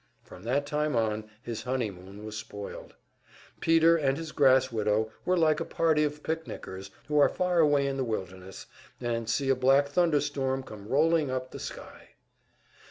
From that time on his honeymoon was spoiled. Peter and his grass widow were like a party of picnickers who are far away in the wilderness, and see a black thunder storm come rolling up the sky!